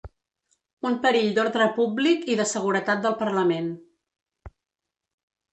Un perill d’ordre públic i de seguretat del parlament.